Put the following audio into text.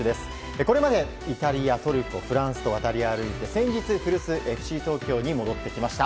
これまでイタリア、トルコ、フランスと渡り歩いて先日、古巣のＦＣ東京に戻ってきました。